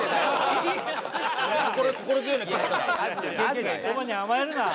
言葉に甘えるな！